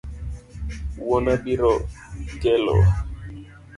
Wuonwa biro kelo.